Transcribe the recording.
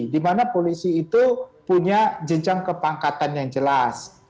di mana polisi itu punya jenjang kepangkatan yang jelas